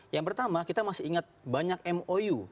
yang pertama kita masih ingat banyak mou